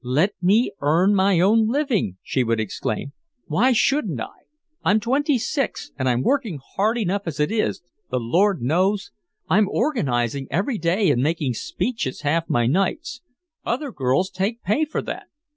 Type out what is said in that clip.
"Let me earn my own living!" she would exclaim. "Why shouldn't I? I'm twenty six and I'm working hard enough as it is the Lord knows! I'm organizing every day and making speeches half my nights. Other girls take pay for that.